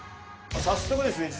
早速ですね